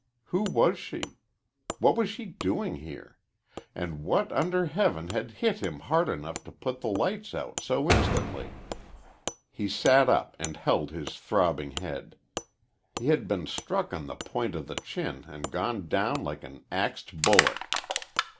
Who was she? What was she doing here? And what under heaven had hit him hard enough to put the lights out so instantly? He sat up and held his throbbing head. He had been struck on the point of the chin and gone down like an axed bullock.